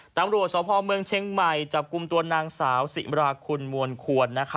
ตำรวจสพเมืองเชียงใหม่จับกลุ่มตัวนางสาวสิมราคุณมวลควร